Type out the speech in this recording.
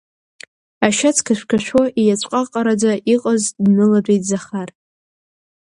Ашьац қашәқашәо, ииаҵәҟаҟараӡа иҟаз днылатәеит Захар.